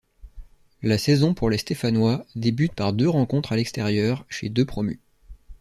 La saison pour les Stéphanois débute par deux rencontres à l'extérieur, chez deux promus.